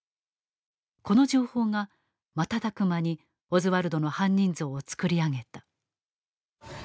この情報が瞬く間にオズワルドの犯人像を作り上げた。